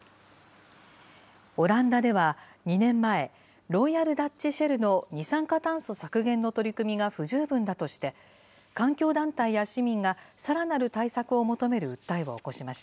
オランダでは、２年前、ロイヤル・ダッチ・シェルの二酸化炭素削減の取り組みが不十分だとして、環境団体や市民がさらなる対策を求める訴えを起こしまし